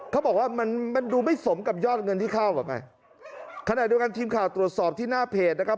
เขาบอกว่ามันมันดูไม่สมกับยอดเงินที่เข้าออกไปขณะเดียวกันทีมข่าวตรวจสอบที่หน้าเพจนะครับ